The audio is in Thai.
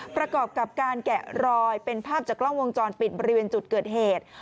ประกอบกับการแกะรอยเป็นภาพจากกล้องวงจรปิดบริเวณจุดเกิดเหตุ